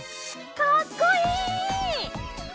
かっこいい！